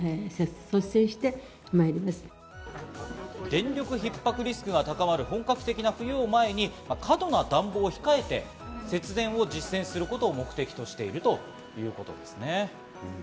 電力ひっ迫リスクが高まる本格的な冬を前に過度な暖房を控えて節電を実践することを目的としているということです。